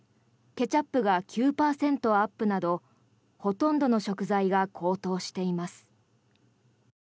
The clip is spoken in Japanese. ケチャップが９％アップなどほとんどの食材が高騰しています。